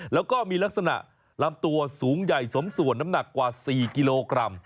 แล้วก็มีลักษณะลำตัวสูงใหญ่สมส่วนน้ำหนักกว่า๔กิโลกรัม